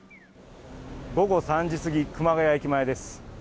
午後３時過ぎ熊谷駅前です。